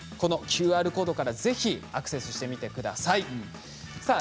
ＱＲコードから、ぜひアクセスしてみてください。